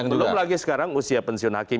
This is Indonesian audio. belum lagi sekarang usia pensiun hakim